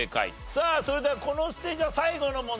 さあそれではこのステージは最後の問題になります。